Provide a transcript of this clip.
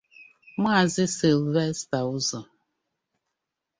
Maazị Sylvester Uzo